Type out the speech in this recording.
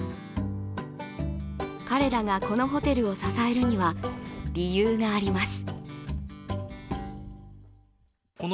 彼らが、このホテルを支えるには理由があります。